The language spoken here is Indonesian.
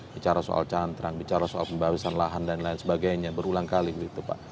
bicara soal cantrang bicara soal pembawasan lahan dan lain sebagainya berulang kali begitu pak